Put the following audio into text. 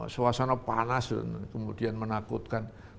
suasana panas kemudian menakutkan